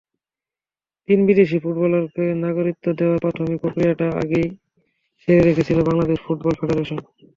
তিন বিদেশি ফুটবলারকে নাগরিকত্ব দেওয়ার প্রাথমিক প্রক্রিয়াটা আগেই সেরে রেখেছিল বাংলাদেশ ফুটবল ফেডারেশন।